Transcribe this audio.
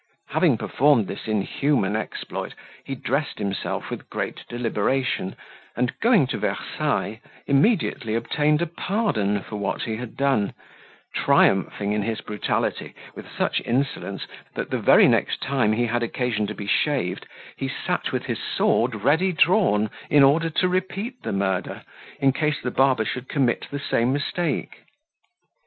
Having performed this inhuman exploit, he dressed himself with great deliberation, and going to Versailles, immediately obtained a pardon for what he had done; triumphing in his brutality with such insolence, that the very next time he had occasion to be shaved he sat with his sword ready drawn, in order to repeat the murder, in case the barber should commit the same mistake.